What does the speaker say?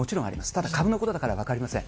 ただ株のことだから分かりません。